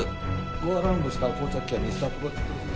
ゴーアラウンドした到着機はミストアプローチ。